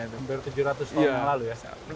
hampir tujuh ratus tahun yang lalu ya